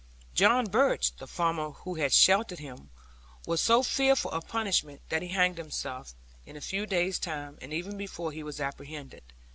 R. John Birch, the farmer who had sheltered him, was so fearful of punishment, that he hanged himself, in a few days' time, and even before he was apprehended.